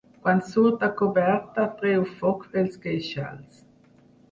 Quan surt a coberta treu foc pels queixals.